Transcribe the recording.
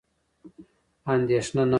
اندېښنه نه وه.